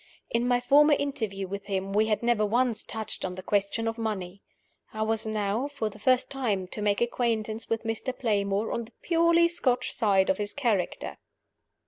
In my former interview with him we had never once touched on the question of money. I was now, for the first time, to make acquaintance with Mr. Playmore on the purely Scotch side of his character.